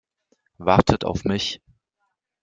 Wartet auf mich!